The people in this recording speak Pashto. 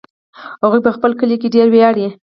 هغوی په خپل کلي ډېر ویاړي